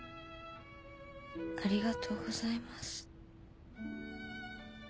ありがとうございます。